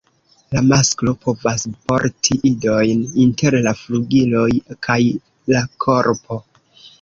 La masklo povas porti idojn inter la flugiloj kaj la korpo.